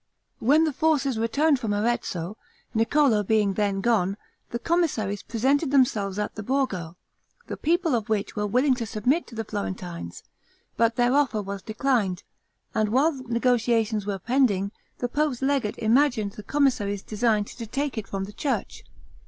When the forces returned from Arezzo, Niccolo being then gone, the commissaries presented themselves at the Borgo, the people of which were willing to submit to the Florentines; but their offer was declined, and while negotiations were pending, the pope's legate imagined the commissaries designed to take it from the church.